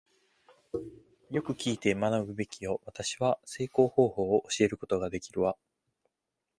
よく聞いて学ぶべきよ、私は成功方法を教えることができるわ。